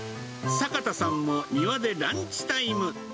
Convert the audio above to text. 坂田さんも庭でランチタイム。